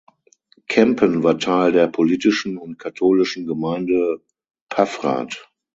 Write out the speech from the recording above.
Kempen war Teil der politischen und katholischen Gemeinde Paffrath.